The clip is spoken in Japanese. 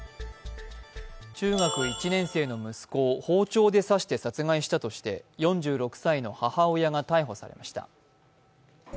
中学１年生の息子を包丁で刺して殺害したとして、４６歳の母親が逮捕されました。